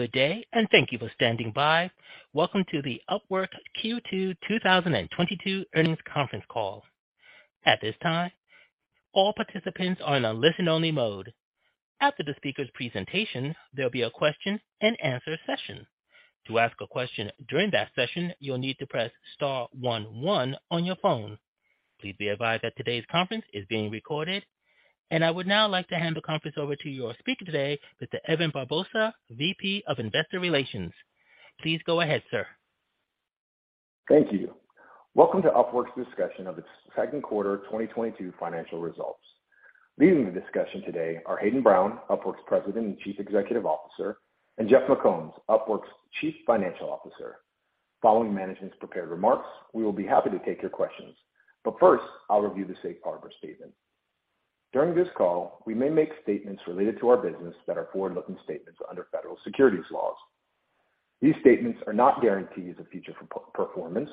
Good day, and thank you for standing by. Welcome to the Upwork Q2 2022 Earnings Conference Call. At this time, all participants are in a listen-only mode. After the speakers' presentation, there'll be a question-and-answer session. To ask a question during that session, you'll need to press star one one on your phone. Please be advised that today's conference is being recorded. I would now like to hand the conference over to your speaker today, Mr. Evan Barbosa, VP of Investor Relations. Please go ahead, sir. Thank you. Welcome to Upwork's discussion of its second quarter 2022 financial results. Leading the discussion today are Hayden Brown, Upwork's President and Chief Executive Officer, and Jeff McCombs, Upwork's Chief Financial Officer. Following management's prepared remarks, we will be happy to take your questions. First, I'll review the safe harbor statement. During this call, we may make statements related to our business that are forward-looking statements under federal securities laws. These statements are not guarantees of future performance,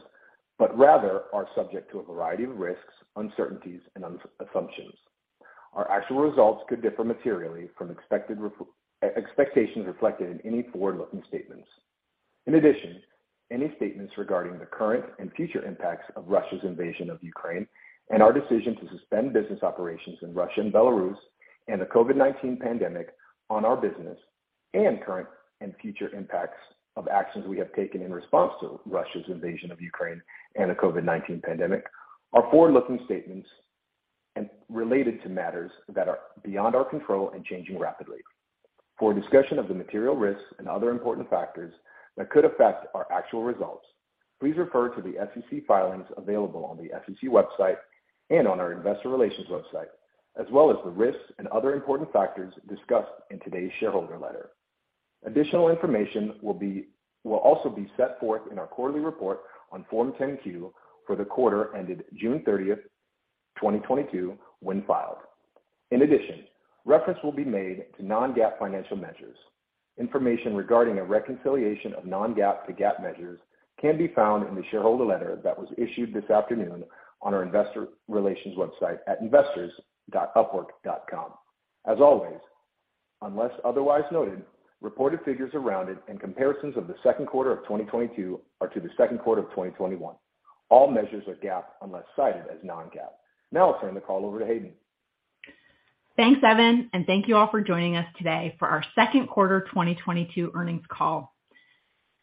but rather are subject to a variety of risks, uncertainties, and assumptions. Our actual results could differ materially from expectations reflected in any forward-looking statements. In addition, any statements regarding the current and future impacts of Russia's invasion of Ukraine and our decision to suspend business operations in Russia and Belarus and the COVID-19 pandemic on our business and current and future impacts of actions we have taken in response to Russia's invasion of Ukraine and the COVID-19 pandemic are forward-looking statements and related to matters that are beyond our control and changing rapidly. For a discussion of the material risks and other important factors that could affect our actual results, please refer to the SEC filings available on the SEC website and on our investor relations website, as well as the risks and other important factors discussed in today's shareholder letter. Additional information will also be set forth in our quarterly report on Form 10-Q for the quarter ended June 30, 2022, when filed. In addition, reference will be made to non-GAAP financial measures. Information regarding a reconciliation of non-GAAP to GAAP measures can be found in the shareholder letter that was issued this afternoon on our investor relations website at investors.upwork.com. As always, unless otherwise noted, reported figures are rounded, and comparisons of the second quarter of 2022 are to the second quarter of 2021. All measures are GAAP unless cited as non-GAAP. Now I'll turn the call over to Hayden. Thanks, Evan, and thank you all for joining us today for our second quarter 2022 earnings call.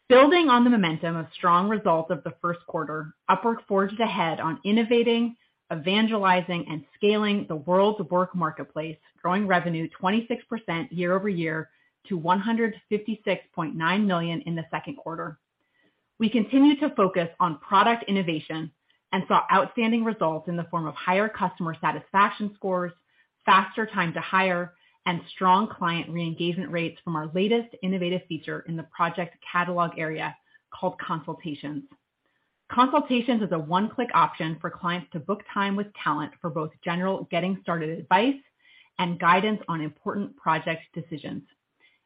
Building on the momentum of strong results of the first quarter, Upwork forged ahead on innovating, evangelizing, and scaling the world's Work Marketplace, growing revenue 26% year over year to $156.9 million in the second quarter. We continue to focus on product innovation and saw outstanding results in the form of higher customer satisfaction scores, faster time to hire, and strong client re-engagement rates from our latest innovative feature in the Project Catalog area called Consultations. Consultations is a one-click option for clients to book time with talent for both general getting started advice and guidance on important project decisions.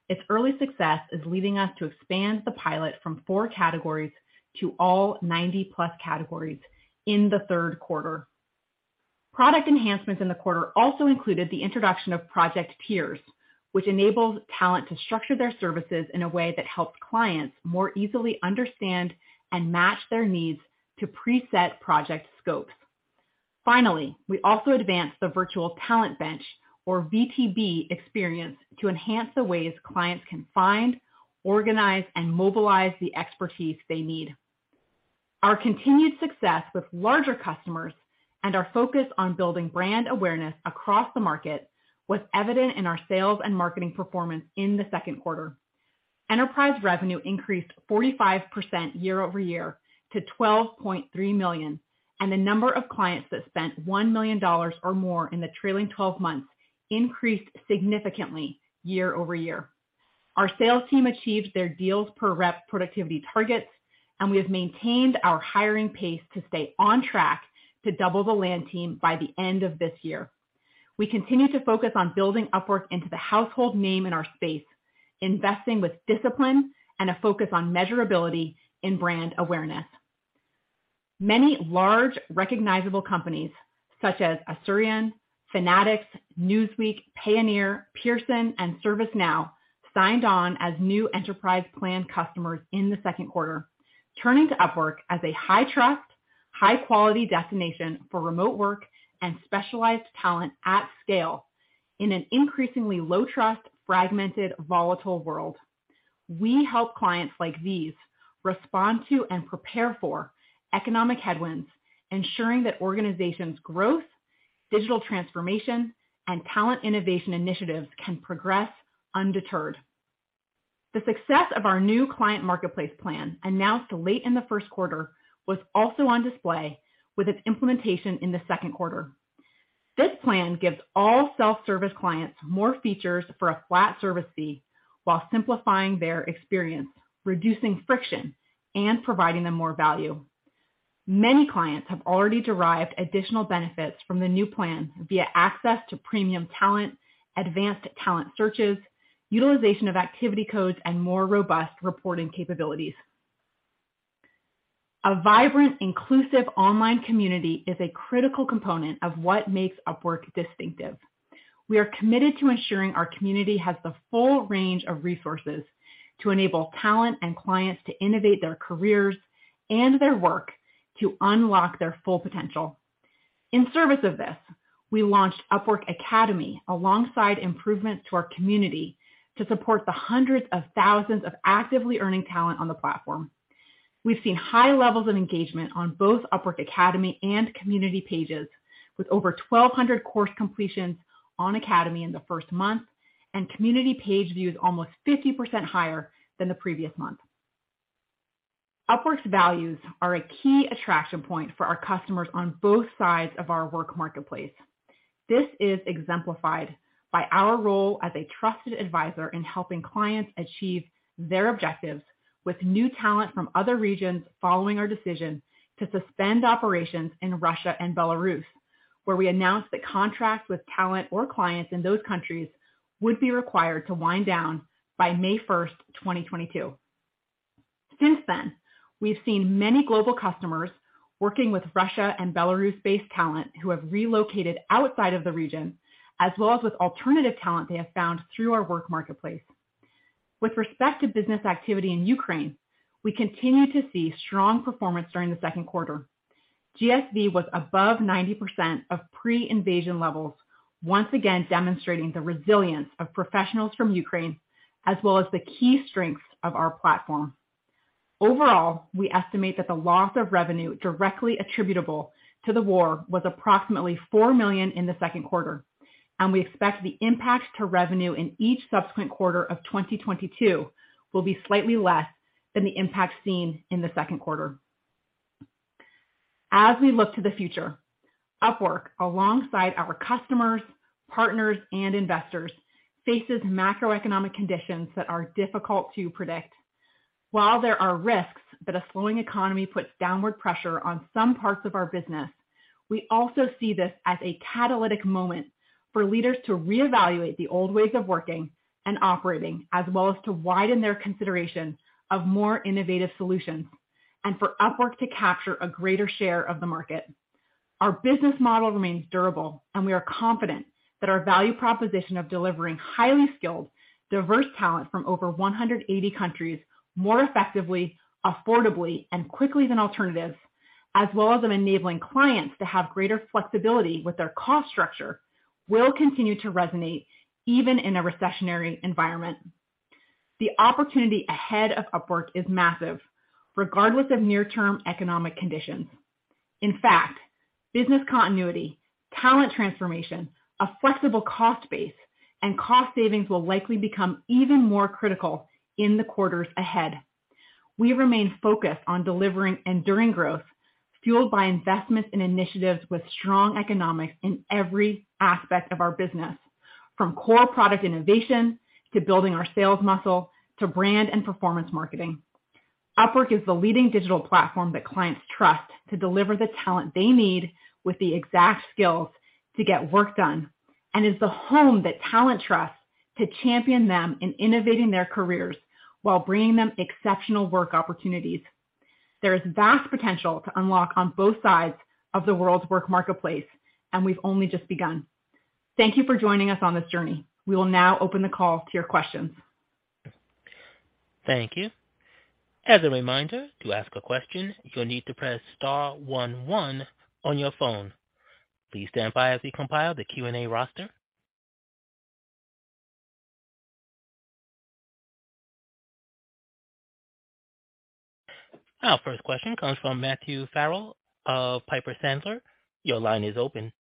Its early success is leading us to expand the pilot from four categories to all 90+ categories in the third quarter. Product enhancements in the quarter also included the introduction of Project Tiers, which enables talent to structure their services in a way that helps clients more easily understand and match their needs to preset project scopes. Finally, we also advanced the Virtual Talent Bench or VTB experience to enhance the ways clients can find, organize, and mobilize the expertise they need. Our continued success with larger customers and our focus on building brand awareness across the market was evident in our sales and marketing performance in the second quarter. Enterprise revenue increased 45% year-over-year to $12.3 million, and the number of clients that spent $1 million or more in the trailing twelve months increased significantly year-over-year. Our sales team achieved their deals per rep productivity targets, and we have maintained our hiring pace to stay on track to double the land team by the end of this year. We continue to focus on building Upwork into the household name in our space, investing with discipline and a focus on measurability in brand awareness. Many large recognizable companies such as Asurion, Fanatics, Newsweek, Payoneer, Pearson, and ServiceNow signed on as new enterprise plan customers in the second quarter, turning to Upwork as a high trust, high-quality destination for remote work and specialized talent at scale in an increasingly low trust, fragmented, volatile world. We help clients like these respond to and prepare for economic headwinds, ensuring that organizations' growth, digital transformation, and talent innovation initiatives can progress undeterred. The success of our new client marketplace plan announced late in the first quarter was also on display with its implementation in the second quarter. This plan gives all self-service clients more features for a flat service fee while simplifying their experience, reducing friction, and providing them more value. Many clients have already derived additional benefits from the new plan via access to premium talent, advanced talent searches, utilization of activity codes, and more robust reporting capabilities. A vibrant, inclusive online community is a critical component of what makes Upwork distinctive. We are committed to ensuring our community has the full range of resources to enable talent and clients to innovate their careers and their work to unlock their full potential. In service of this, we launched Upwork Academy alongside improvements to our community to support the hundreds of thousands of actively earning talent on the platform. We've seen high levels of engagement on both Upwork Academy and community pages, with over 1,200 course completions on Academy in the first month and community page views almost 50% higher than the previous month. Upwork's values are a key attraction point for our customers on both sides of our Work Marketplace. This is exemplified by our role as a trusted advisor in helping clients achieve their objectives with new talent from other regions following our decision to suspend operations in Russia and Belarus, where we announced that contracts with talent or clients in those countries would be required to wind down by May 1, 2022. Since then, we've seen many global customers working with Russia and Belarus-based talent who have relocated outside of the region, as well as with alternative talent they have found through our Work Marketplace. With respect to business activity in Ukraine, we continue to see strong performance during the second quarter. GSV was above 90% of pre-invasion levels, once again demonstrating the resilience of professionals from Ukraine as well as the key strengths of our platform. Overall, we estimate that the loss of revenue directly attributable to the war was approximately $4 million in the second quarter, and we expect the impact to revenue in each subsequent quarter of 2022 will be slightly less than the impact seen in the second quarter. As we look to the future, Upwork, alongside our customers, partners, and investors, faces macroeconomic conditions that are difficult to predict. While there are risks that a slowing economy puts downward pressure on some parts of our business, we also see this as a catalytic moment for leaders to reevaluate the old ways of working and operating, as well as to widen their consideration of more innovative solutions, and for Upwork to capture a great leader share of the market. Our business model remains durable, and we are confident that our value proposition of delivering highly skilled, diverse talent from over 180 countries more effectively, affordably, and quickly than alternatives, as well as enabling clients to have greater flexibility with their cost structure, will continue to resonate even in a recessionary environment. The opportunity ahead of Upwork is massive, regardless of near-term economic conditions. In fact, business continuity, talent transformation, a flexible cost base, and cost savings will likely become even more critical in the quarters ahead. We remain focused on delivering enduring growth fueled by investments in initiatives with strong economics in every aspect of our business, from core product innovation to building our sales muscle to brand and performance marketing. Upwork is the leading digital platform that clients trust to deliver the talent they need with the exact skills to get work done, and is the home that talent trusts to champion them in innovating their careers while bringing them exceptional work opportunities. There is vast potential to unlock on both sides of the world's work marketplace, and we've only just begun. Thank you for joining us on this journey. We will now open the call to your questions. Thank you. As a reminder, to ask a question, you'll need to press star one one on your phone. Please stand by as we compile the Q&A roster. Our first question comes from Matt Farrell of Piper Sandler. Your line is open.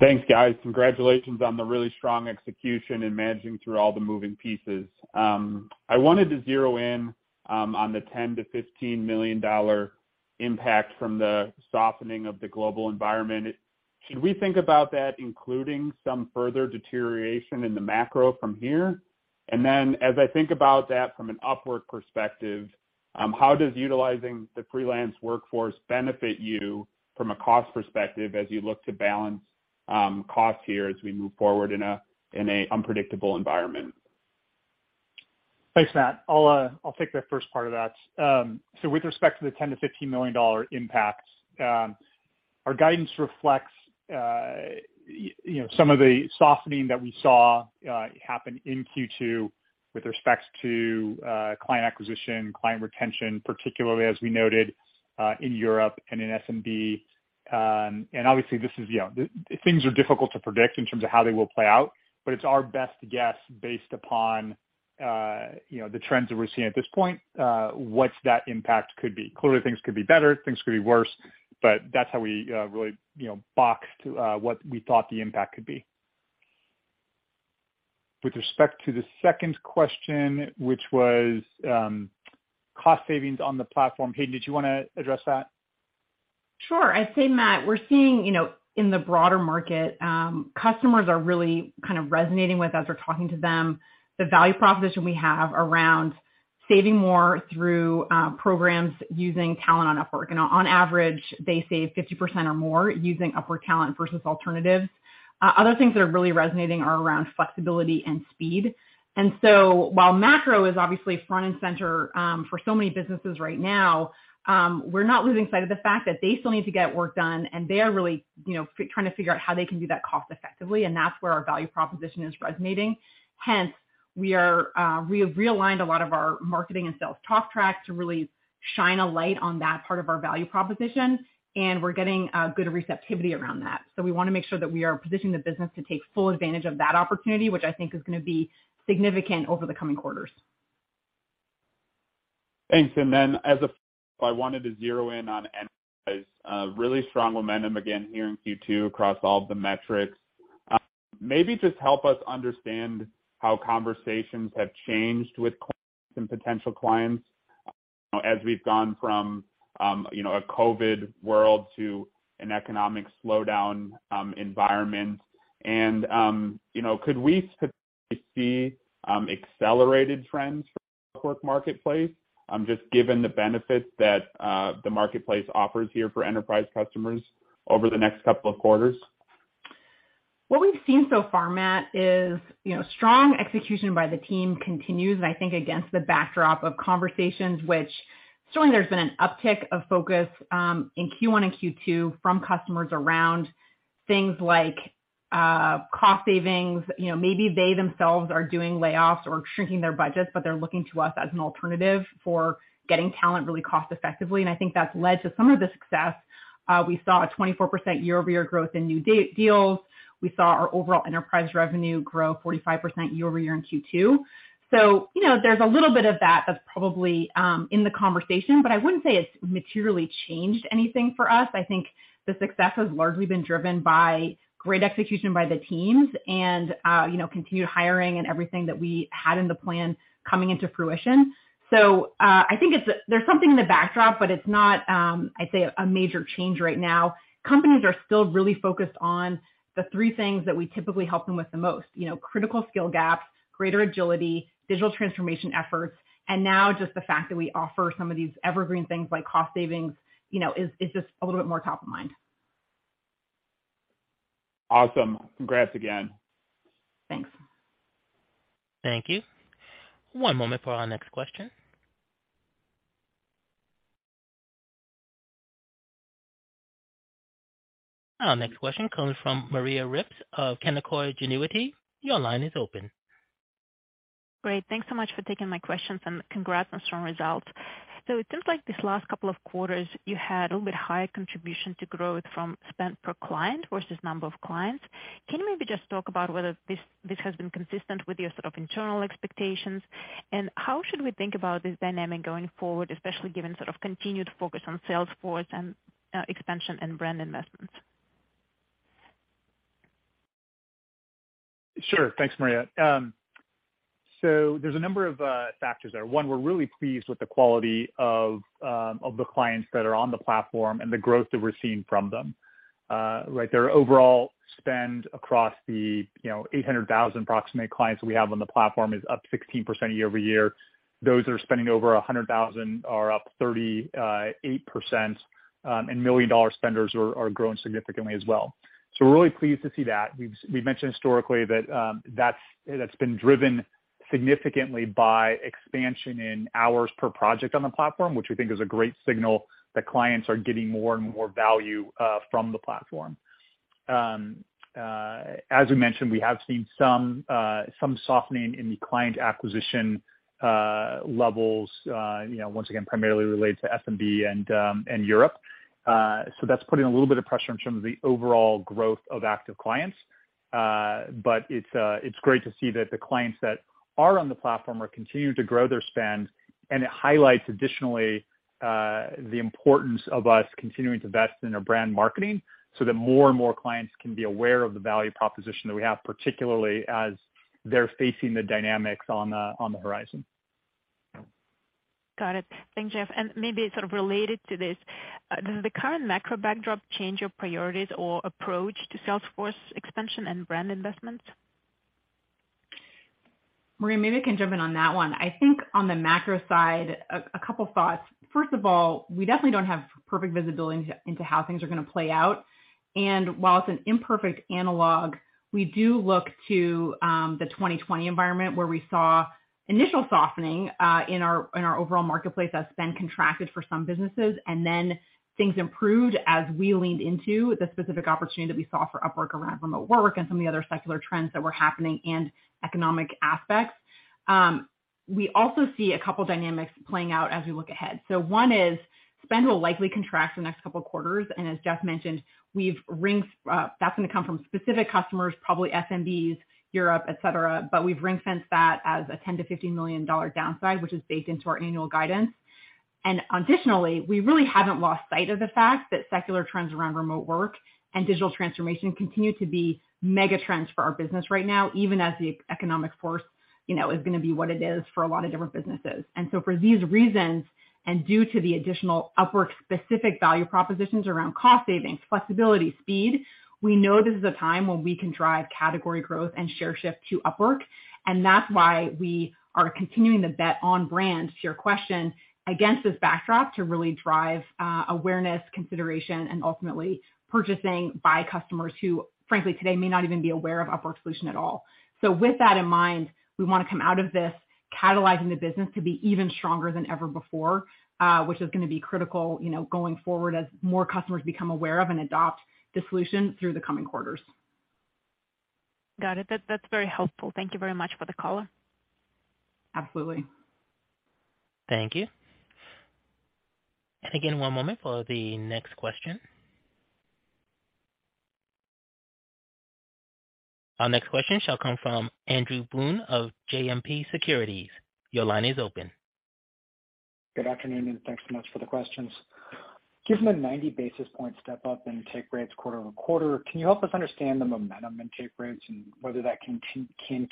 Thanks, guys. Congratulations on the really strong execution in managing through all the moving pieces. I wanted to zero in on the $10 million-$15 million impact from the softening of the global environment. Should we think about that including some further deterioration in the macro from here? Then as I think about that from an Upwork perspective, how does utilizing the freelance workforce benefit you from a cost perspective as you look to balance cost here as we move forward in an unpredictable environment? Thanks, Matt. I'll take the first part of that. With respect to the $10 million-$15 million impact, our guidance reflects, you know, some of the softening that we saw happen in Q2 with respect to client acquisition, client retention, particularly as we noted in Europe and in SMB. Obviously this is, you know, things are difficult to predict in terms of how they will play out, but it's our best guess based upon, you know, the trends that we're seeing at this point, what that impact could be. Clearly, things could be better, things could be worse, but that's how we really, you know, boxed what we thought the impact could be. With respect to the second question, which was cost savings on the platform, Hayden, did you wanna address that? Sure. I'd say, Matt, we're seeing, you know, in the broader market, customers are really kind of resonating with, as we're talking to them, the value proposition we have around saving more through programs using talent on Upwork. On average, they save 50% or more using Upwork talent versus alternatives. Other things that are really resonating are around flexibility and speed. While macro is obviously front and center for so many businesses right now, we're not losing sight of the fact that they still need to get work done, and they are really, you know, trying to figure out how they can do that cost effectively, and that's where our value proposition is resonating. We have realigned a lot of our marketing and sales talk track to really shine a light on that part of our value proposition, and we're getting good receptivity around that. We wanna make sure that we are positioning the business to take full advantage of that opportunity, which I think is gonna be significant over the coming quarters. Thanks. Then as a follow-up, I wanted to zero in on enterprise, really strong momentum again here in Q2 across all of the metrics. Maybe just help us understand how conversations have changed with clients and potential clients, you know, as we've gone from, you know, a COVID world to an economic slowdown environment. You know, could we start to see accelerated trends for Upwork marketplace, just given the benefits that the marketplace offers here for enterprise customers over the next couple of quarters? What we've seen so far, Matt, is, you know, strong execution by the team continues, and I think against the backdrop of conversations, which certainly there's been an uptick of focus in Q1 and Q2 from customers around things like cost savings. You know, maybe they themselves are doing layoffs or shrinking their budgets, but they're looking to us as an alternative for getting talent really cost effectively, and I think that's led to some of the success. We saw a 24% year-over-year growth in new deals. We saw our overall enterprise revenue grow 45% year-over-year in Q2. You know, there's a little bit of that that's probably in the conversation, but I wouldn't say it's materially changed anything for us. I think the success has largely been driven by great execution by the teams and, you know, continued hiring and everything that we had in the plan coming into fruition. I think there's something in the backdrop, but it's not, I'd say a major change right now. Companies are still really focused on the three things that we typically help them with the most, you know, critical skill gaps, greater agility, digital transformation efforts, and now just the fact that we offer some of these evergreen things like cost savings, you know, is just a little bit more top of mind. Awesome. Congrats again. Thanks. Thank you. One moment for our next question. Our next question comes from Maria Ripps of Canaccord Genuity. Your line is open. Great. Thanks so much for taking my questions, and congrats on strong results. It seems like these last couple of quarters you had a little bit higher contribution to growth from spend per client versus number of clients. Can you maybe just talk about whether this has been consistent with your sort of internal expectations? How should we think about this dynamic going forward, especially given sort of continued focus on sales force and expansion and brand investments? Sure. Thanks, Maria. There's a number of factors there. One, we're really pleased with the quality of the clients that are on the platform and the growth that we're seeing from them. Their overall spend across the, you know, approximately 800,000 clients we have on the platform is up 16% year-over-year. Those that are spending over $100,000 are up 38%, and million-dollar spenders are growing significantly as well. We're really pleased to see that. We've mentioned historically that that's been driven significantly by expansion in hours per project on the platform, which we think is a great signal that clients are getting more and more value from the platform. As we mentioned, we have seen some softening in the client acquisition levels, you know, once again primarily related to SMB and Europe. That's putting a little bit of pressure in terms of the overall growth of active clients. It's great to see that the clients that are on the platform are continuing to grow their spend, and it highlights additionally the importance of us continuing to invest in our brand marketing so that more and more clients can be aware of the value proposition that we have, particularly as they're facing the dynamics on the horizon. Got it. Thanks, Jeff. Maybe sort of related to this, does the current macro backdrop change your priorities or approach to Salesforce expansion and brand investments? Maria, maybe I can jump in on that one. I think on the macro side, a couple thoughts. First of all, we definitely don't have perfect visibility into how things are gonna play out. While it's an imperfect analog, we do look to the 2020 environment where we saw initial softening in our overall marketplace that spend contracted for some businesses. Things improved as we leaned into the specific opportunity that we saw for Upwork around remote work and some of the other secular trends that were happening and economic aspects. We also see a couple dynamics playing out as we look ahead. One is, spend will likely contract the next couple quarters, and as Jeff mentioned, we've ring... That's gonna come from specific customers, probably SMBs, Europe, et cetera, but we've ring-fenced that as a $10 million-$15 million downside, which is baked into our annual guidance. Additionally, we really haven't lost sight of the fact that secular trends around remote work and digital transformation continue to be mega trends for our business right now, even as the economic force, you know, is gonna be what it is for a lot of different businesses. For these reasons, and due to the additional Upwork specific value propositions around cost savings, flexibility, speed, we know this is a time when we can drive category growth and share shift to Upwork. That's why we are continuing to bet on brand, to your question, against this backdrop to really drive awareness, consideration, and ultimately purchasing by customers who, frankly, today may not even be aware of Upwork's solution at all. With that in mind, we wanna come out of this catalyzing the business to be even stronger than ever before, which is gonna be critical, you know, going forward as more customers become aware of and adopt the solution through the coming quarters. Got it. That's very helpful. Thank you very much for the color. Absolutely. Thank you. Again, one moment for the next question. Our next question shall come from Andrew Boone of JMP Securities. Your line is open. Good afternoon, and thanks so much for the questions. Given the 90 basis points step up in take rates quarter-over-quarter, can you help us understand the momentum in take rates and whether that can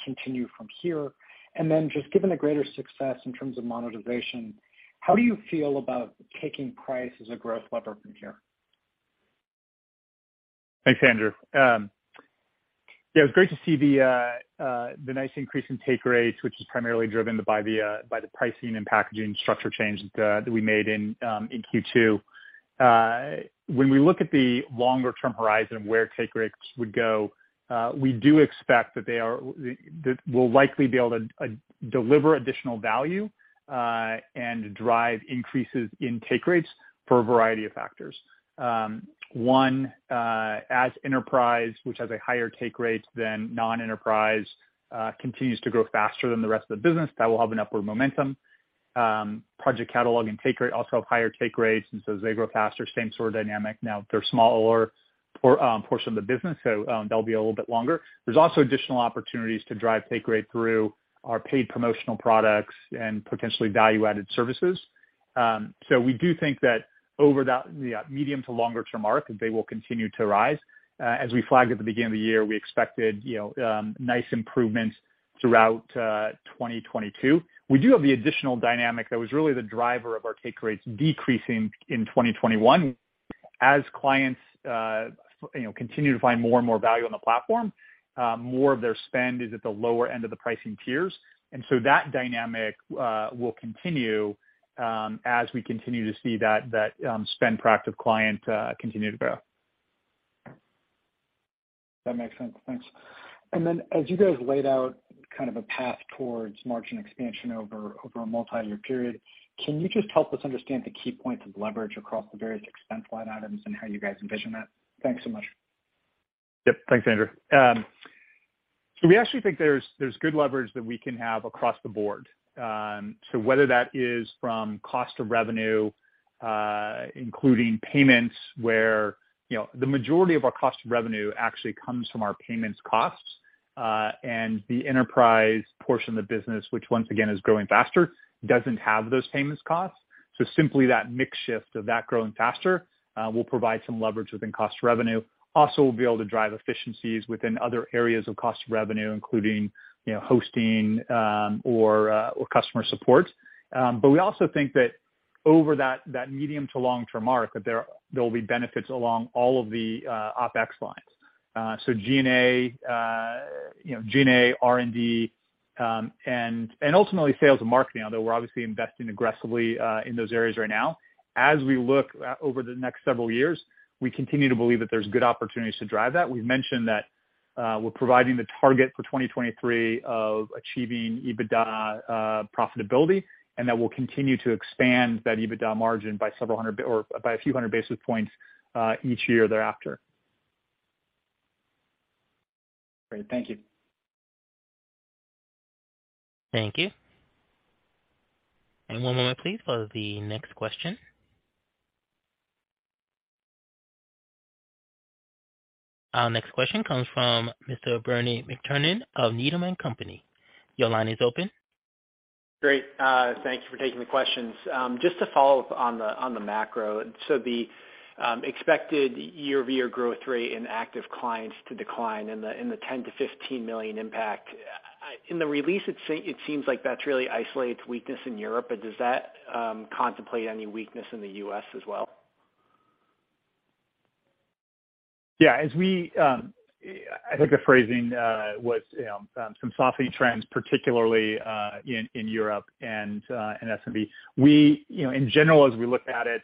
continue from here? Just given the greater success in terms of monetization, how do you feel about taking price as a growth lever from here? Thanks, Andrew. Yeah, it's great to see the nice increase in take rates, which is primarily driven by the pricing and packaging structure change that we made in Q2. When we look at the longer term horizon where take rates would go, we do expect that we'll likely be able to deliver additional value and drive increases in take rates for a variety of factors. One, as enterprise, which has a higher take rate than non-enterprise, continues to grow faster than the rest of the business, that will have an upward momentum. Project Catalog and take rate also have higher take rates, and so as they grow faster, same sort of dynamic. Now, they're a smaller portion of the business, so, that'll be a little bit longer. There's also additional opportunities to drive take rate through our paid promotional products and potentially value-added services. So we do think that over that, yeah, medium to longer-term arc they will continue to rise. As we flagged at the beginning of the year, we expected, you know, nice improvements throughout, 2022. We do have the additional dynamic that was really the driver of our take rates decreasing in 2021. As clients, you know, continue to find more and more value on the platform, more of their spend is at the lower end of the pricing tiers. That dynamic will continue, as we continue to see that spend per active client continue to grow. That makes sense. Thanks. As you guys laid out kind of a path towards margin expansion over a multi-year period, can you just help us understand the key points of leverage across the various expense line items and how you guys envision that? Thanks so much. Yep. Thanks, Andrew. We actually think there's good leverage that we can have across the board. Whether that is from cost of revenue, including payments where, you know, the majority of our cost of revenue actually comes from our payments costs. And the enterprise portion of the business, which once again is growing faster, doesn't have those payments costs. Simply that mix shift of that growing faster will provide some leverage within cost of revenue. Also, we'll be able to drive efficiencies within other areas of cost of revenue, including, you know, hosting, or customer support. We also think that over that medium to long term arc, that there will be benefits along all of the OpEx lines. G&A, you know, R&D, and ultimately sales and marketing, although we're obviously investing aggressively in those areas right now. As we look over the next several years, we continue to believe that there's good opportunities to drive that. We've mentioned that we're providing the target for 2023 of achieving EBITDA profitability, and that we'll continue to expand that EBITDA margin by several hundred or by a few hundred basis points each year thereafter. Great. Thank you. Thank you. One moment please for the next question. Our next question comes from Mr. Bernie McTernan of Needham & Company. Your line is open. Great. Thank you for taking the questions. Just to follow up on the macro. Expected year-over-year growth rate in active clients to decline in the $10 million-$15 million impact. In the release, it seems like that's really isolates weakness in Europe, but does that contemplate any weakness in the U.S. as well? Yeah. As we, I think the phrasing was some softening trends particularly in Europe and in SMB. You know, in general, as we look at it,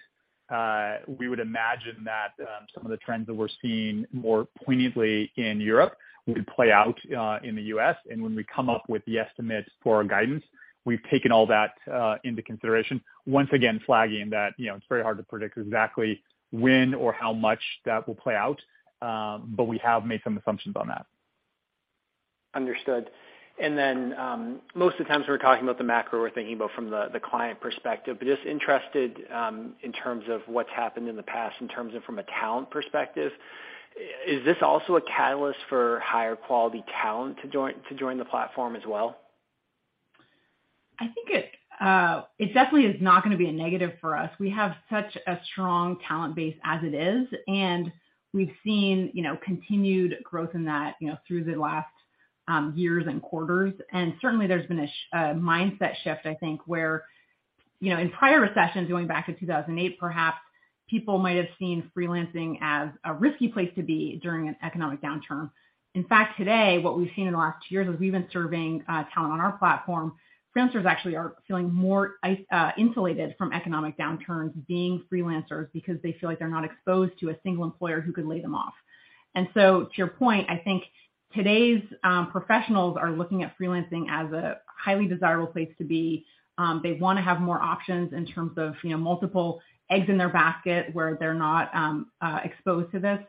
we would imagine that some of the trends that we're seeing more poignantly in Europe would play out in the US. When we come up with the estimates for our guidance, we've taken all that into consideration. Once again, flagging that, you know, it's very hard to predict exactly when or how much that will play out, but we have made some assumptions on that. Understood. Most of the times we're talking about the macro, we're thinking about from the client perspective, but just interested in terms of what's happened in the past in terms of from a talent perspective. Is this also a catalyst for higher quality talent to join the platform as well? I think it definitely is not gonna be a negative for us. We have such a strong talent base as it is, and we've seen, you know, continued growth in that, you know, through the last years and quarters. Certainly there's been a mindset shift, I think, where, you know, in prior recessions going back to 2008 perhaps, people might have seen freelancing as a risky place to be during an economic downturn. In fact, today, what we've seen in the last two years as we've been serving talent on our platform, freelancers actually are feeling more insulated from economic downturns being freelancers because they feel like they're not exposed to a single employer who could lay them off. To your point, I think. Today's professionals are looking at freelancing as a highly desirable place to be. They wanna have more options in terms of, you know, multiple eggs in their basket where they're not exposed to this.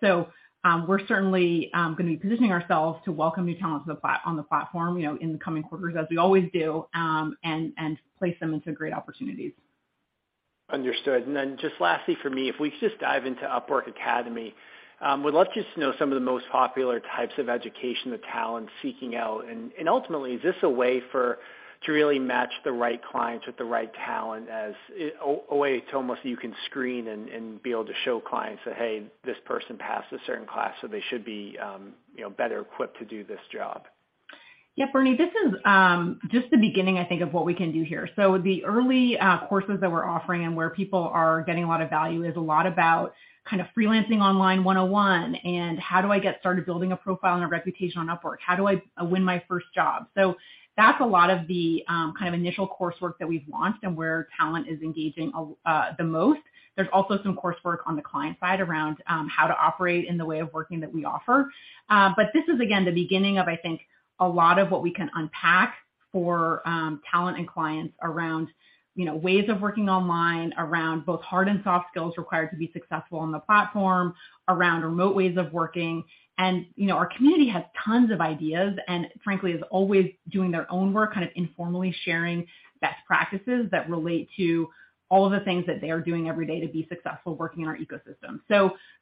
We're certainly gonna be positioning ourselves to welcome new talent to the platform, you know, in the coming quarters as we always do, and place them into great opportunities. Understood. Just lastly for me, if we could just dive into Upwork Academy, would love just to know some of the most popular types of education the talent's seeking out. Ultimately, is this a way for to really match the right clients with the right talent as a way to almost you can screen and be able to show clients that, "Hey, this person passed a certain class, so they should be, you know, better equipped to do this job. Yeah, Bernie, this is just the beginning, I think, of what we can do here. The early courses that we're offering and where people are getting a lot of value is a lot about kind of freelancing online 101 and how do I get started building a profile and a reputation on Upwork? How do I win my first job? That's a lot of the kind of initial coursework that we've launched and where talent is engaging at the most. There's also some coursework on the client side around how to operate in the way of working that we offer. This is again the beginning of, I think, a lot of what we can unpack for, talent and clients around, you know, ways of working online, around both hard and soft skills required to be successful on the platform, around remote ways of working. You know, our community has tons of ideas, and frankly, is always doing their own work, kind of informally sharing best practices that relate to all of the things that they are doing every day to be successful working in our ecosystem.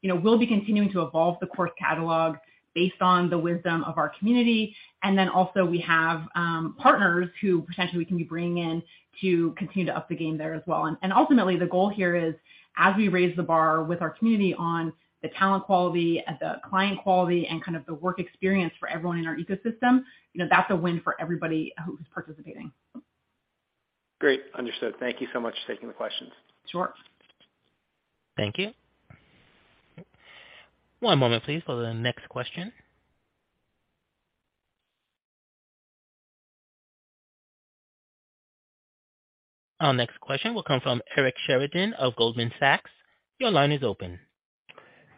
You know, we'll be continuing to evolve the course catalog based on the wisdom of our community. Also we have, partners who potentially we can be bringing in to continue to up the game there as well. Ultimately, the goal here is, as we raise the bar with our community on the talent quality, the client quality, and kind of the work experience for everyone in our ecosystem, you know, that's a win for everybody who's participating. Great. Understood. Thank you so much for taking the questions. Sure. Thank you. One moment, please, for the next question. Our next question will come from Eric Sheridan of Goldman Sachs. Your line is open.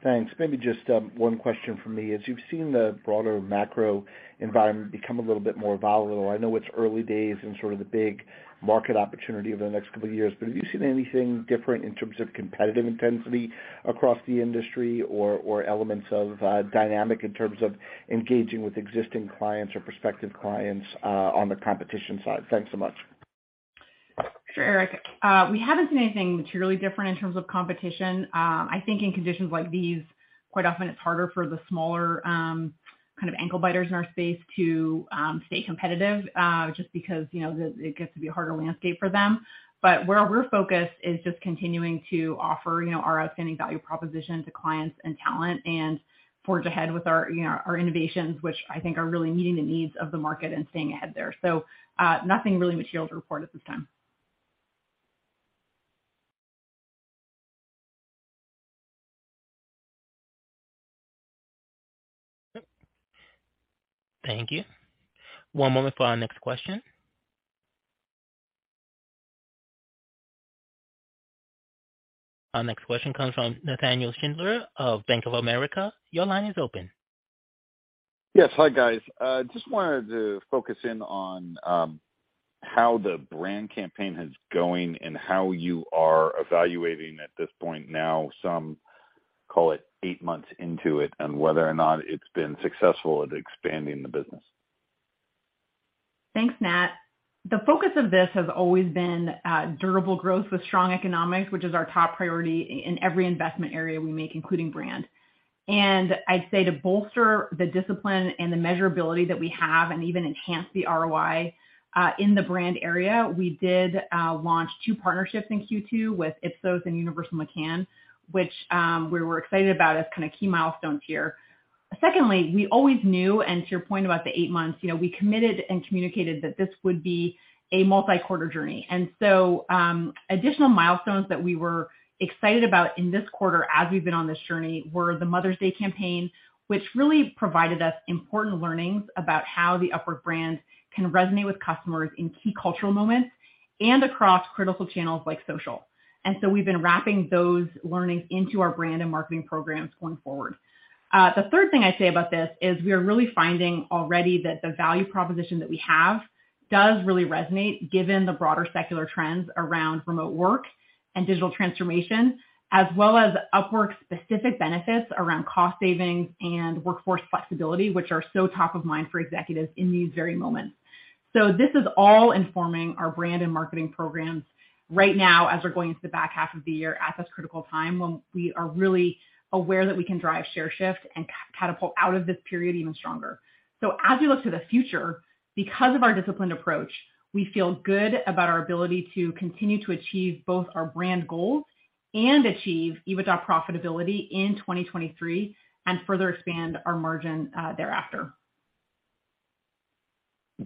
Thanks. Maybe just one question from me. As you've seen the broader macro environment become a little bit more volatile, I know it's early days and sort of the big market opportunity over the next couple of years, but have you seen anything different in terms of competitive intensity across the industry or elements of dynamic in terms of engaging with existing clients or prospective clients on the competition side? Thanks so much. Sure, Eric. We haven't seen anything materially different in terms of competition. I think in conditions like these, quite often it's harder for the smaller, kind of ankle biters in our space to stay competitive, just because, you know, it gets to be a harder landscape for them. Where we're focused is just continuing to offer, you know, our outstanding value proposition to clients and talent and forge ahead with our, you know, our innovations, which I think are really meeting the needs of the market and staying ahead there. Nothing really material to report at this time. Thank you. One moment for our next question. Our next question comes from Nat Schindler of Bank of America. Your line is open. Yes. Hi, guys. Just wanted to focus in on how the brand campaign is going and how you are evaluating at this point now, some call it eight months into it, and whether or not it's been successful at expanding the business. Thanks, Nat. The focus of this has always been durable growth with strong economics, which is our top priority in every investment area we make, including brand. I'd say to bolster the discipline and the measurability that we have and even enhance the ROI in the brand area, we did launch two partnerships in Q2 with Ipsos and Universal McCann, which we were excited about as kinda key milestones here. Secondly, we always knew, and to your point about the eight months, you know, we committed and communicated that this would be a multi-quarter journey. Additional milestones that we were excited about in this quarter as we've been on this journey were the Mother's Day campaign, which really provided us important learnings about how the Upwork brand can resonate with customers in key cultural moments and across critical channels like social. We've been wrapping those learnings into our brand and marketing programs going forward. The third thing I'd say about this is we are really finding already that the value proposition that we have does really resonate given the broader secular trends around remote work and digital transformation, as well as Upwork-specific benefits around cost savings and workforce flexibility, which are so top of mind for executives in these very moments. This is all informing our brand and marketing programs right now as we're going into the back half of the year at this critical time when we are really aware that we can drive share shift and kind of pull out of this period even stronger. As we look to the future, because of our disciplined approach, we feel good about our ability to continue to achieve both our brand goals and achieve EBITDA profitability in 2023 and further expand our margin thereafter.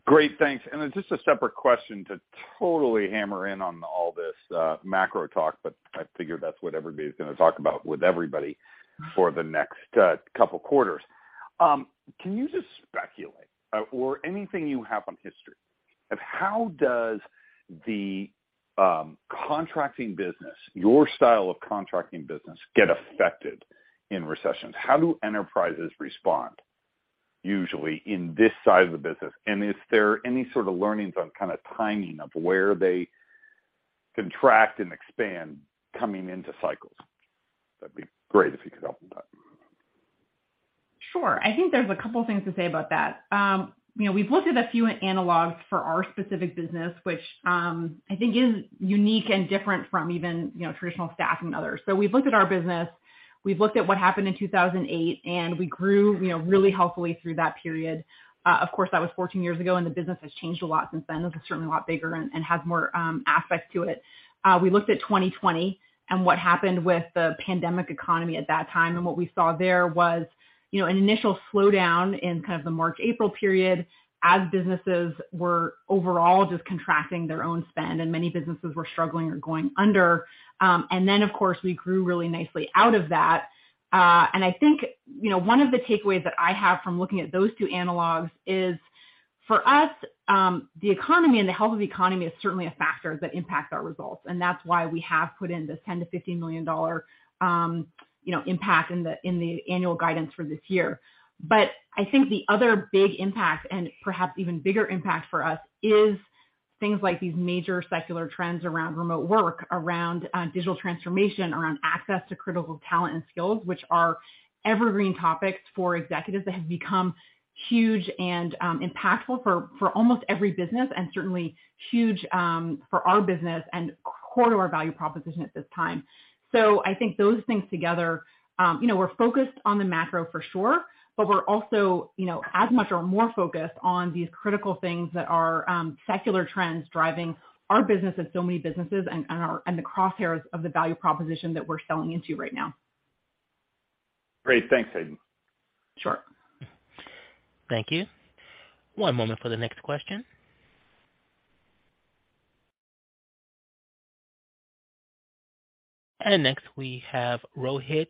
Great. Thanks. Just a separate question to totally hammer in on all this macro talk, but I figure that's what everybody's gonna talk about with everybody for the next couple quarters. Can you just speculate or anything you have on history of how does the contracting business, your style of contracting business, get affected in recessions? How do enterprises respond usually in this side of the business? Is there any sort of learnings on kinda timing of where they contract and expand coming into cycles? That'd be great if you could help with that. Sure. I think there's a couple things to say about that. You know, we've looked at a few analogs for our specific business which, I think is unique and different from even, you know, traditional staff and others. We've looked at our business, we've looked at what happened in 2008, and we grew, you know, really healthily through that period. Of course, that was 14 years ago, and the business has changed a lot since then. This is certainly a lot bigger and has more aspects to it. We looked at 2020 and what happened with the pandemic economy at that time, and what we saw there was, you know, an initial slowdown in kind of the March, April period as businesses were overall just contracting their own spend, and many businesses were struggling or going under. Of course, we grew really nicely out of that. I think, you know, one of the takeaways that I have from looking at those two analogs is for us, the economy and the health of the economy is certainly a factor that impacts our results, and that's why we have put in this $10 million-$15 million, you know, impact in the annual guidance for this year. I think the other big impact, and perhaps even bigger impact for us, is things like these major secular trends around remote work, around digital transformation, around access to critical talent and skills, which are evergreen topics for executives that have become huge and impactful for almost every business and certainly huge for our business and core to our value proposition at this time. I think those things together, you know, we're focused on the macro for sure, but we're also, you know, as much or more focused on these critical things that are, secular trends driving our business and so many businesses and the crosshairs of the value proposition that we're selling into right now. Great. Thanks, Hayden. Sure. Thank you. One moment for the next question. Next we have Rohit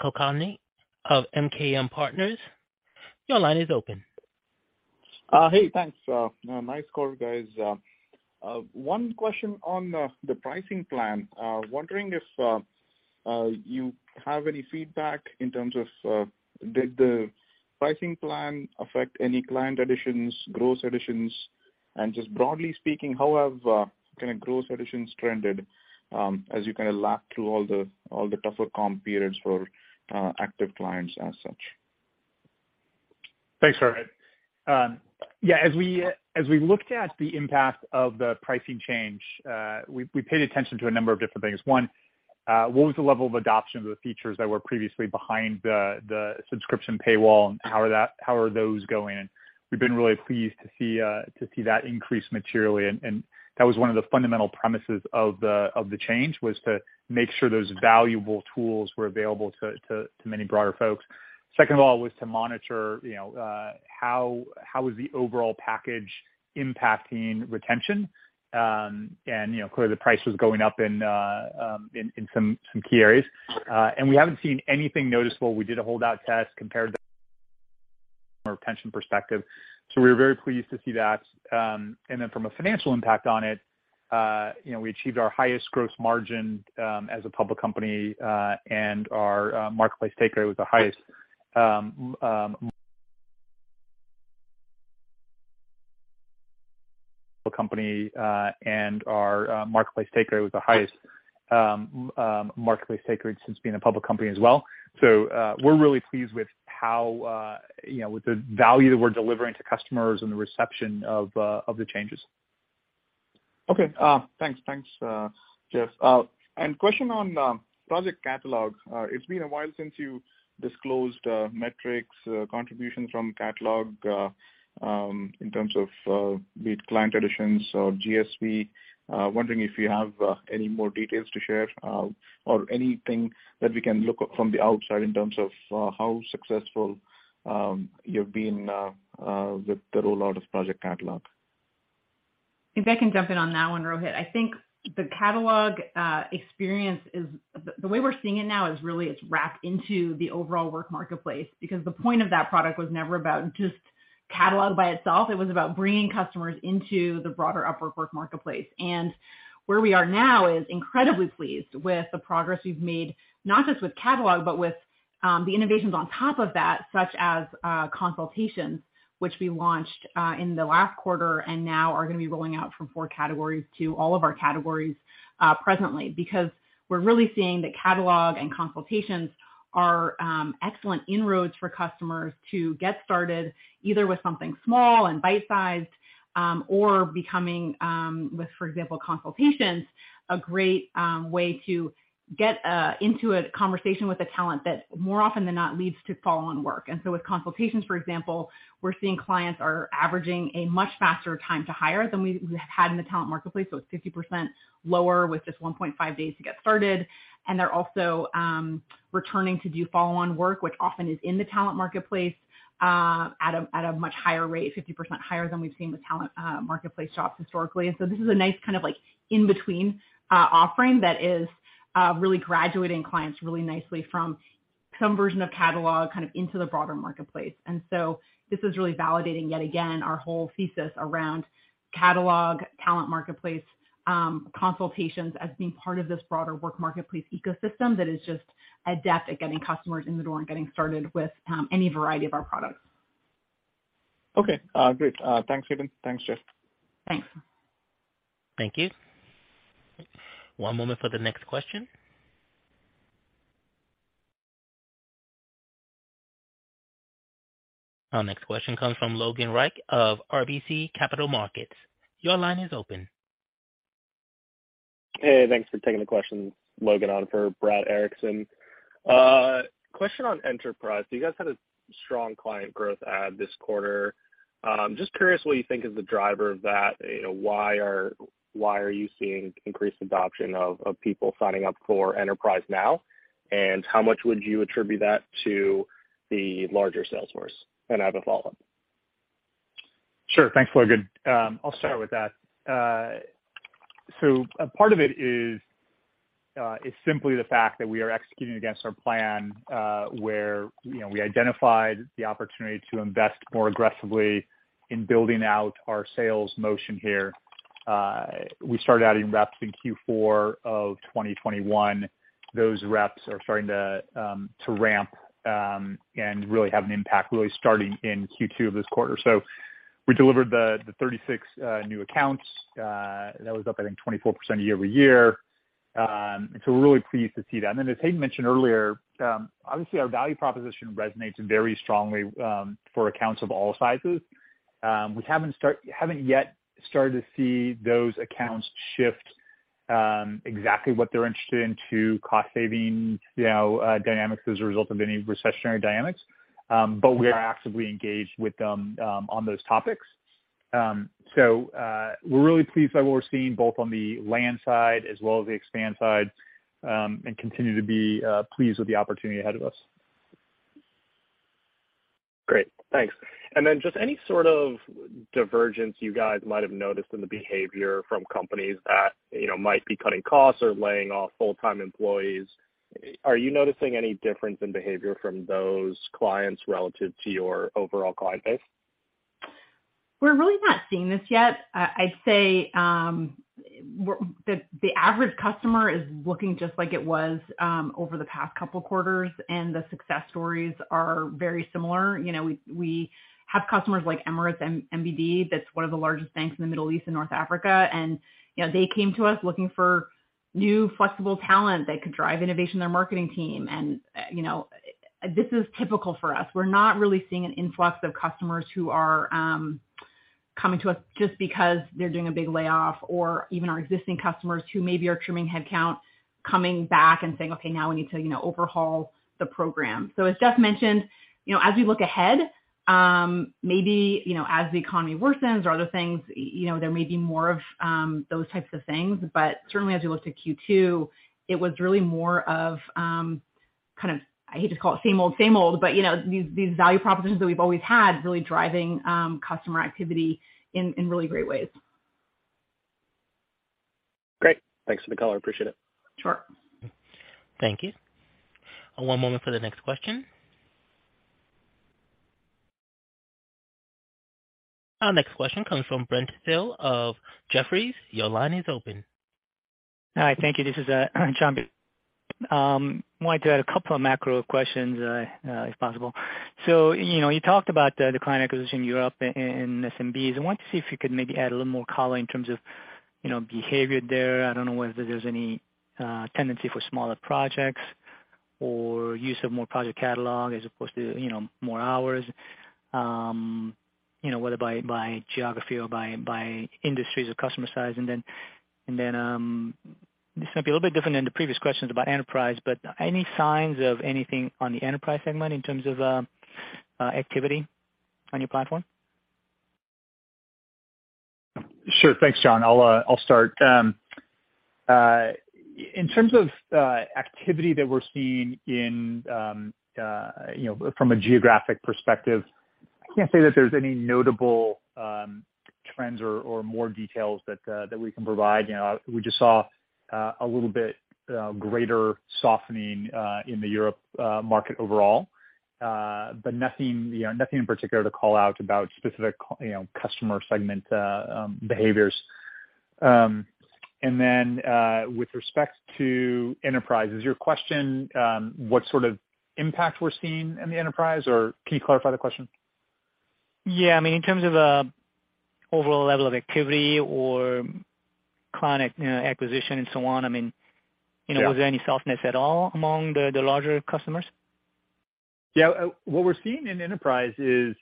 Kulkarni of MKM Partners. Your line is open. Hey, thanks. Nice call, guys. One question on the pricing plan. Wondering if you have any feedback in terms of, did the pricing plan affect any client additions, growth additions? Just broadly speaking, how have kinda growth additions trended, as you kinda lap through all the tougher comp periods for active clients as such? Thanks, Rohit. Yeah, as we looked at the impact of the pricing change, we paid attention to a number of different things. One, what was the level of adoption of the features that were previously behind the subscription paywall, and how are those going? We've been really pleased to see that increase materially, and that was one of the fundamental premises of the change, was to make sure those valuable tools were available to many broader folks. Second of all was to monitor, you know, how is the overall package impacting retention? You know, clearly the price was going up in some key areas. We haven't seen anything noticeable. We did a holdout test from a retention perspective, so we were very pleased to see that. From a financial impact on it, you know, we achieved our highest gross margin as a public company, and our marketplace take rate was the highest marketplace take rate since being a public company as well. We're really pleased with how, you know, with the value that we're delivering to customers and the reception of the changes. Okay. Thanks, Jeff. Question on Project Catalog. It's been a while since you disclosed metrics contributions from Catalog in terms of the client additions or GSV. Wondering if you have any more details to share or anything that we can look from the outside in terms of how successful you've been with the rollout of Project Catalog. I think I can jump in on that one, Rohit. I think the Catalog experience is the way we're seeing it now is really it's wrapped into the overall Work Marketplace, because the point of that product was never about just Catalog by itself. It was about bringing customers into the broader Upwork Work Marketplace. Where we are now is incredibly pleased with the progress we've made, not just with Catalog, but with the innovations on top of that, such as Consultations, which we launched in the last quarter and now are gonna be rolling out from four categories to all of our categories presently. Because we're really seeing that Catalog and Consultations are excellent inroads for customers to get started, either with something small and bite-sized, or becoming with, for example, Consultations, a great way to get into a conversation with a talent that more often than not leads to follow-on work. With Consultations, for example, we're seeing clients are averaging a much faster time to hire than we had in the Talent Marketplace. It's 50% lower with just 1.5 days to get started. They're also returning to do follow-on work, which often is in the Talent Marketplace at a much higher rate, 50% higher than we've seen with Talent Marketplace jobs historically. This is a nice kind of like in-between offering that is really graduating clients really nicely from some version of Catalog kind of into the broader marketplace. This is really validating yet again our whole thesis around Catalog, Talent Marketplace, Consultations as being part of this broader Work Marketplace ecosystem that is just adept at getting customers in the door and getting started with any variety of our products. Okay. Great. Thanks, Hayden. Thanks, Jeff. Thanks. Thank you. One moment for the next question. Our next question comes from Logan Reich of RBC Capital Markets. Your line is open. Hey, thanks for taking the question. Logan Reich on for Brad Erickson. Question on enterprise. You guys had a strong client growth this quarter. Just curious what you think is the driver of that. You know, why are you seeing increased adoption of people signing up for enterprise now? How much would you attribute that to the larger sales force? I have a follow-up. Sure. Thanks, Logan. I'll start with that. A part of it is simply the fact that we are executing against our plan, where, you know, we identified the opportunity to invest more aggressively in building out our sales motion here. We started adding reps in Q4 of 2021. Those reps are starting to ramp and really have an impact really starting in Q2 of this quarter. We delivered the 36 new accounts that was up, I think, 24% year-over-year. We're really pleased to see that. Then as Hayden mentioned earlier, obviously our value proposition resonates very strongly for accounts of all sizes. We haven't start... Haven't yet started to see those accounts shift exactly what they're interested in to cost saving, you know, dynamics as a result of any recessionary dynamics, but we are actively engaged with them on those topics. We're really pleased by what we're seeing both on the land side as well as the expand side and continue to be pleased with the opportunity ahead of us. Great. Thanks. Just any sort of divergence you guys might have noticed in the behavior from companies that, you know, might be cutting costs or laying off full-time employees. Are you noticing any difference in behavior from those clients relative to your overall client base? We're really not seeing this yet. I'd say the average customer is looking just like it was over the past couple quarters, and the success stories are very similar. You know, we have customers like Emirates NBD, that's one of the largest banks in the Middle East and North Africa, and you know, they came to us looking for new flexible talent that could drive innovation in their marketing team. You know, this is typical for us. We're not really seeing an influx of customers who are coming to us just because they're doing a big layoff or even our existing customers who maybe are trimming head count coming back and saying, "Okay, now we need to, you know, overhaul the program." As Jeff mentioned, you know, as we look ahead, maybe, you know, as the economy worsens or other things, you know, there may be more of those types of things, but certainly as we look to Q2, it was really more of kind of, I hate to call it same old, same old, but you know, these value propositions that we've always had really driving customer activity in really great ways. Great. Thanks for the call. I appreciate it. Sure. Thank you. One moment for the next question. Our next question comes from Brent Thill of Jefferies. Your line is open. Hi. Thank you. This is Brent Thill. Wanted to add a couple of macro questions, if possible. You know, you talked about the client acquisition in Europe and SMBs. I wanted to see if you could maybe add a little more color in terms of, you know, behavior there. I don't know whether there's any tendency for smaller projects or use of more Project Catalog as opposed to, you know, more hours, you know, whether by geography or by industries or customer size. Then, this might be a little bit different than the previous questions about enterprise, but any signs of anything on the enterprise segment in terms of activity on your platform? Sure. Thanks, Brent. I'll start. In terms of activity that we're seeing in, you know, from a geographic perspective, I can't say that there's any notable trends or more details that we can provide. You know, we just saw a little bit greater softening in the European market overall, but nothing, you know, nothing in particular to call out about specific customer segment behaviors. With respect to enterprise, is your question what sort of impact we're seeing in the enterprise or can you clarify the question? Yeah. I mean, in terms of, overall level of activity or client, you know, acquisition and so on, I mean- Yeah. You know, was there any softness at all among the larger customers? Yeah. What we're seeing in enterprise is,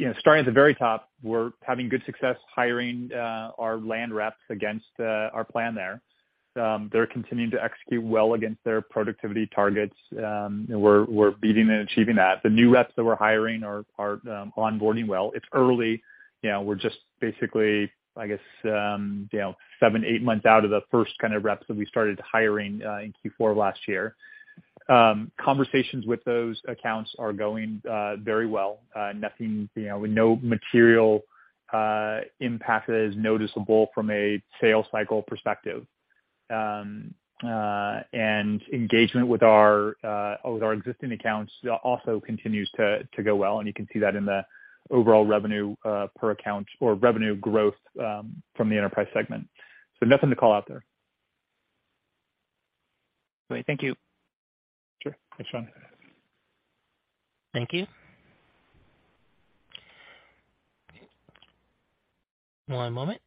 you know, starting at the very top, we're having good success hiring our land reps against our plan there. They're continuing to execute well against their productivity targets, and we're beating and achieving that. The new reps that we're hiring are onboarding well. It's early. You know, we're just basically, I guess, you know, seven, eight months out of the first kind of reps that we started hiring in Q4 last year. Conversations with those accounts are going very well. Nothing, you know, no material impact that is noticeable from a sales cycle perspective. Engagement with our existing accounts also continues to go well, and you can see that in the overall revenue per account or revenue growth from the enterprise segment. Nothing to call out there. Great. Thank you. Sure. Next one. Thank you. One moment.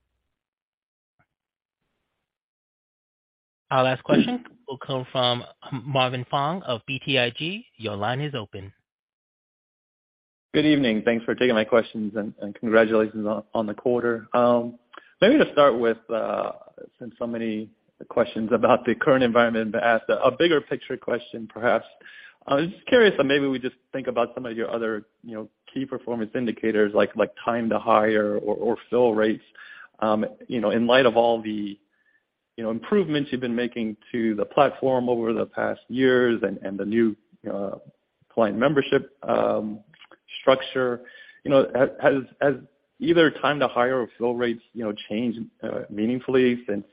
Our last question will come from Marvin Fong of BTIG. Your line is open. Good evening. Thanks for taking my questions and congratulations on the quarter. Maybe to start with, since so many questions about the current environment to ask a bigger picture question perhaps, I was just curious if maybe we just think about some of your other, you know, key performance indicators like time to hire or fill rates. You know, in light of all the, you know, improvements you've been making to the platform over the past years and the new client membership structure. You know, has either time to hire or fill rates, you know, changed meaningfully since,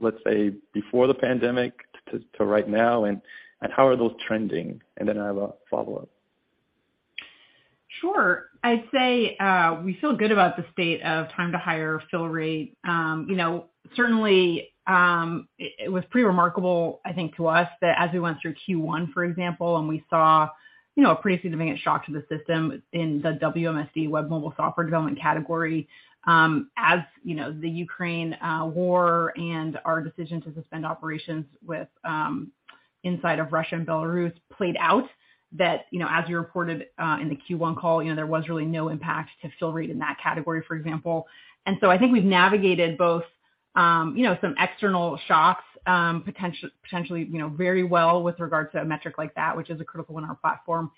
let's say, before the pandemic to right now, and how are those trending? And then I have a follow-up. Sure. I'd say we feel good about the state of time to hire, fill rate. You know, certainly it was pretty remarkable, I think, to us that as we went through Q1, for example, and we saw you know a pretty significant shock to the system in the WMSD, web mobile software development category, as you know the Ukraine war and our decision to suspend operations within Russia and Belarus played out that you know as you reported in the Q1 call you know there was really no impact to fill rate in that category, for example. I think we've navigated both you know some external shocks potentially you know very well with regards to a metric like that which is a critical in our platform.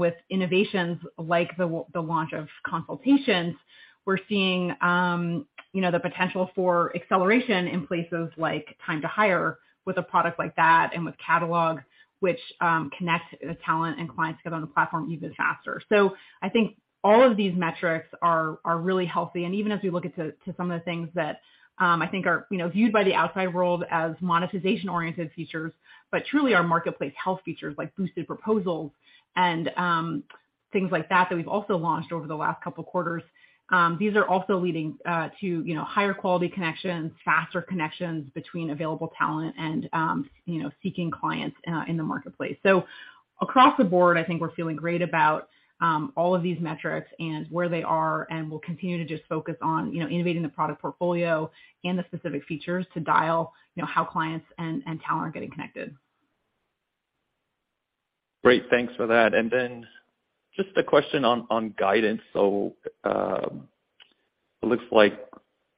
With innovations like the launch of Consultations, we're seeing, you know, the potential for acceleration in places like time to hire with a product like that and with catalog which connects the talent and clients together on the platform even faster. I think all of these metrics are really healthy. Even as we look into some of the things that I think are, you know, viewed by the outside world as monetization-oriented features, but truly are marketplace health features like Boosted Proposals and things like that we've also launched over the last couple quarters, these are also leading to, you know, higher quality connections, faster connections between available talent and seeking clients in the marketplace. Across the board, I think we're feeling great about all of these metrics and where they are, and we'll continue to just focus on, you know, innovating the product portfolio and the specific features to dial, you know, how clients and talent are getting connected. Great. Thanks for that. Just a question on guidance. It looks like,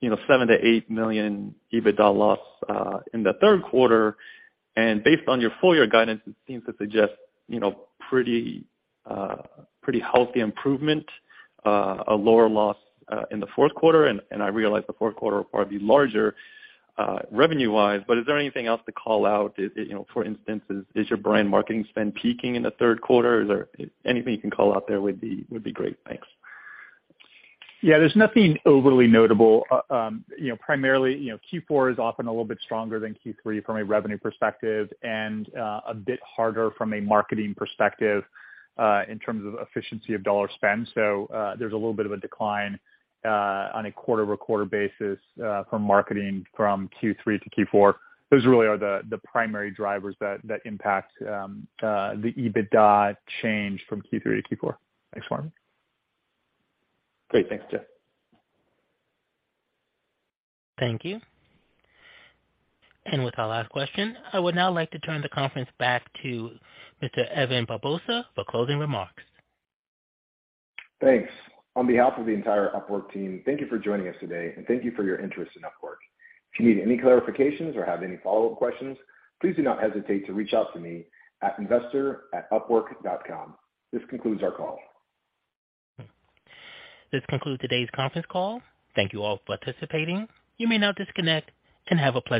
you know, $7 million-$8 million EBITDA loss in the third quarter. Based on your full year guidance, it seems to suggest, you know, pretty healthy improvement, a lower loss, in the fourth quarter. I realize the fourth quarter will probably be larger revenue wise, but is there anything else to call out? Is, you know, for instance, is your brand marketing spend peaking in the third quarter? Is there anything you can call out there would be great. Thanks. Yeah. There's nothing overly notable. You know, primarily, you know, Q4 is often a little bit stronger than Q3 from a revenue perspective and a bit harder from a marketing perspective in terms of efficiency of dollar spend. There's a little bit of a decline on a quarter-over-quarter basis from marketing from Q3 to Q4. Those really are the primary drivers that impact the EBITDA change from Q3 to Q4. Thanks, Marvin. Great. Thanks, Jeff. Thank you. With our last question, I would now like to turn the conference back to Mr. Evan Barbosa for closing remarks. Thanks. On behalf of the entire Upwork team, thank you for joining us today, and thank you for your interest in Upwork. If you need any clarifications or have any follow-up questions, please do not hesitate to reach out to me at investor at upwork.com. This concludes our call. This concludes today's conference call. Thank you all for participating. You may now disconnect and have a pleasant day.